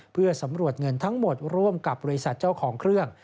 เพื่อสำรวจเงินทั้งหมดร่วมกับบริษัทเจ้าของเครื่อง